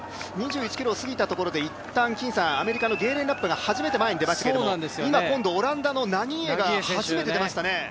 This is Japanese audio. ２１ｋｍを過ぎたところでいったんアメリカのゲーレン・ラップが初めて前に出ましたけれども今、オランダのナギーエが初めて出ましたね。